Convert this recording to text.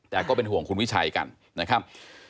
แต่ก็เป็นห่วงคุณวิชัยกันนะครับ